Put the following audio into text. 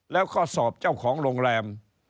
แล้วก็สอบเจ้าของโรงแรม